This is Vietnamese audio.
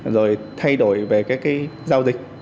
rồi thay đổi về các giao dịch